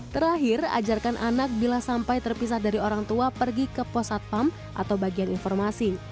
terakhir ajarkan anak bila sampai terpisah dari orang tua pergi ke posatpam atau bagian informasi